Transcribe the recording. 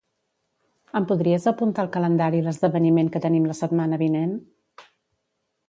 Em podries apuntar al calendari l'esdeveniment que tenim la setmana vinent?